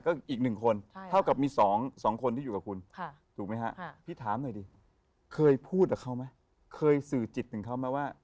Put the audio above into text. ใช่ใครก็เอามึงไปไม่ได้